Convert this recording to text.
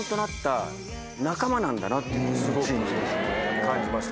なんだなっていうのをすごく感じましたね。